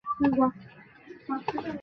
埃贝尔桥人口变化图示